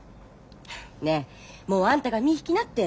ねえもうあんたが身ぃ引きなって。